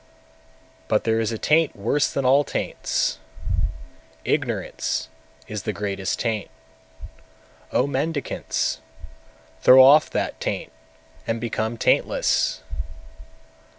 243. But there is a taint worse than all taints, ignorance is the greatest taint. O mendicants! throw off that taint, and become taintless!